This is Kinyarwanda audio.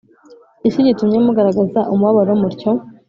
iki gitumye mugaragaza umubabaro mutyo